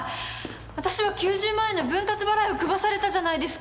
わたしは９０万円の分割払いを組まされたじゃないですか。